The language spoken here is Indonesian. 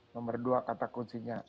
nomor dua kata kuncinya